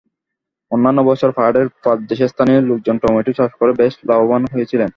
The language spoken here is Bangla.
অন্যান্য বছর পাহাড়ের পাদদেশে স্থানীয় লোকজন টমেটো চাষ করে বেশ লাভবান হয়েছিলেন।